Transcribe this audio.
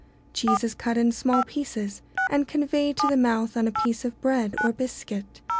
Cheese is cut in small pieces and conveyed to the mouth on a piece of bread or biscuit.